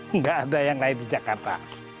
enggak ada yang lain di jakarta